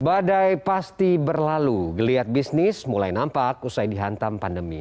badai pasti berlalu geliat bisnis mulai nampak usai dihantam pandemi